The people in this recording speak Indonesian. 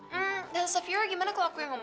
dan stantosofira gimana kalau aku yang ngomong